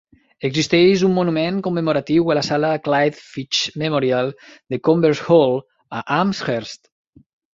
Existeix un monument commemoratiu a la sala "Clyde Fitch Memorial" de Converse Hall, a Amherst.